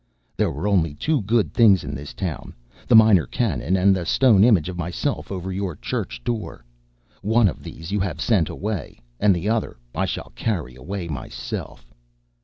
There were only two good things in this town: the Minor Canon and the stone image of myself over your church door. One of these you have sent away, and the other I shall carry away myself."